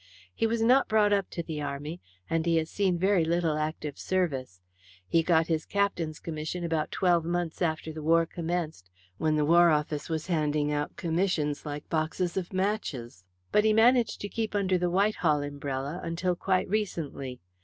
He was not brought up to the Army, and he has seen very little active service. He got his captain's commission about twelve months after the war commenced, when the War Office was handing out commissions like boxes of matches, but he managed to keep under the Whitehall umbrella until quite recently.